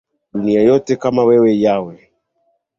Dunia yote kama wewe Yahweh